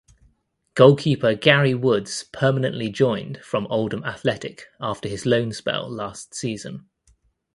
Goalkeeper Gary Woods permanently joined from Oldham Athletic after his loan spell last season.